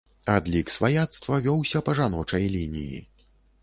Адлік сваяцтва вёўся па жаночай лініі.